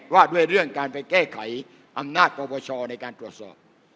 ว่าด้วยเรื่องการไปแก้ไขอำนาจปปชในการตรวจสอบ